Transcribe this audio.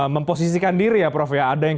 memposisikan diri ya prof ya ada yang